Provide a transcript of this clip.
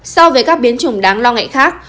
so với các biến chủng đáng lo ngại khác